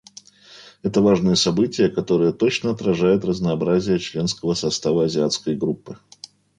Это важное событие, которое точно отражает разнообразие членского состава Азиатской группы.